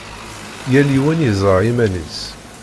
Yal yiwen yeẓra iman-is!